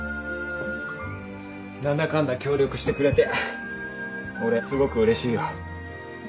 何だかんだ協力してくれて俺すごくうれしいよ。